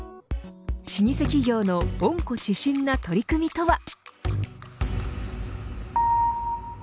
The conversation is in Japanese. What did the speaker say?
老舗企業の温故知新な取り組みとは。